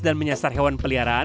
dan menyasar hewan peliharaan